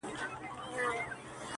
تا هچيش ساتلې دې پر کور باڼه!!